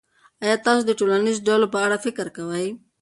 آیا تاسو د ټولنیزو ډلو په اړه فکر کوئ.